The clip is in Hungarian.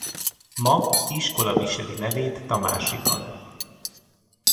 Ma iskola viseli nevét Tamásiban.